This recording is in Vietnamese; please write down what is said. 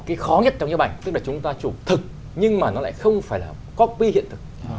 cái khó nhất trong nhếp ảnh tức là chúng ta chụp thực nhưng mà nó lại không phải là copy hiện thực